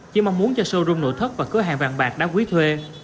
chỉ mong muốn cho showroom nội thất và cửa hàng vàng bạc đá quý thuê